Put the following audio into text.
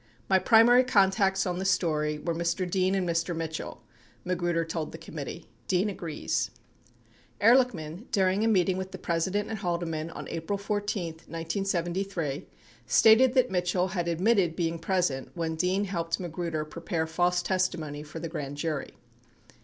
"My primary contacts on the story were Mr. Dean and Mr. Mitchell," Magruder told the committee. 96 Dean agrees. 97 Ehrlichman, during a meeting with the President and Haldeman on April 14, 1973, stated that Mitchell had admitted being present when Dean helped Magruder prepare false testimony for the grand jury.